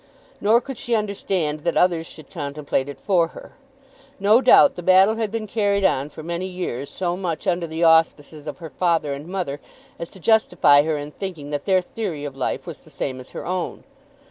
Nor could she understand that others should contemplate it for her. No doubt the battle had been carried on for many years so much under the auspices of her father and mother as to justify her in thinking that their theory of life was the same as her own.